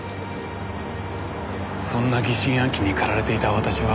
そんな疑心暗鬼にかられていた私は。